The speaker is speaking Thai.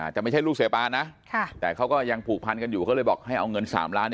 แต่ไม่ใช่ลูกเสียปานะแต่เขาก็ยังผูกพันกันอยู่ก็เลยบอกให้เอาเงิน๓ล้าน